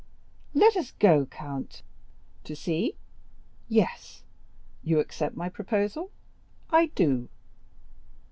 "Let us go, count." "To sea?" "Yes." "You accept my proposal?" "I do."